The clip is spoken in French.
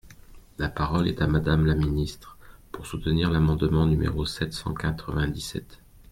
La parole est à Madame la ministre, pour soutenir l’amendement numéro sept cent quatre-vingt-dix-sept.